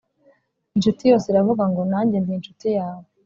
Incuti yose iravuga ngo «Nanjye ndi incuti yawe»,